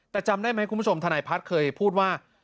แต่จำได้ไหมคุณผู้ชมทนายพัฒน์เคยพูดว่า